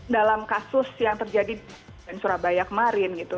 dalam kasus yang terjadi di surabaya kemarin gitu